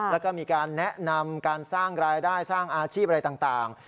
แล้วก็มีการแนะนำการสร้างรายได้สร้างอาชีพอะไรต่าง